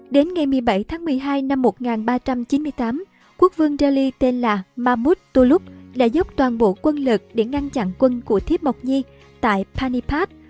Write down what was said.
đến ngày một mươi bảy tháng một mươi hai năm một nghìn ba trăm chín mươi tám quốc vương jaili tên là mahmoud tolouk đã dốc toàn bộ quân lực để ngăn chặn quân của thiếp mộc nhi tại panipad